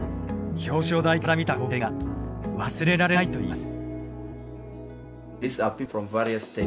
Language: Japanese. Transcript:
表彰台から見た光景が忘れられないといいます。